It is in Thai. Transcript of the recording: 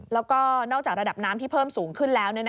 แล้วก็นอกจากระดับน้ำที่เพิ่มสูงขึ้นแล้ว